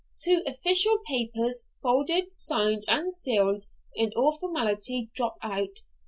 Two official papers, folded, signed, and sealed in all formality, drop out.